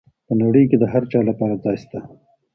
په نړۍ کي د هر چا لپاره ځای سته.